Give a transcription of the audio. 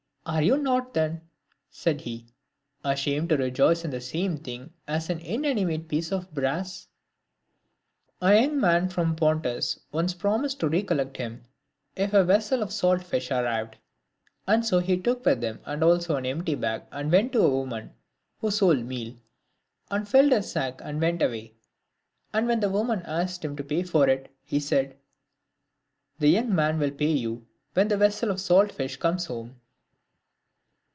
" Are you not then," said he, " ashamed to rejoice in the same thing as an inanimate piece of brass?" A young man from Pontus once promised to recollect him, if a vessel of salt fish arrived ; and so he took him with him, and also an empty bag, and went to a woman who sold meal, and filled his sack and went away ; and when the woman asked him to pay for it, he said, "The young man will pay you, when the vessel of salt fish comes home."